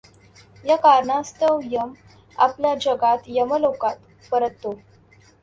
या कारणास्तव यम आपल्या जगात यमलोकात परततो.